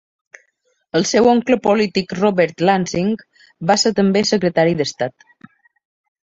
El seu oncle polític Robert Lansing va ser també secretari d'estat.